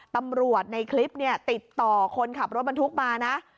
ตำรวจในคลิปติดต่อคนขับรถบรรทุกมานะ